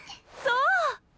そう！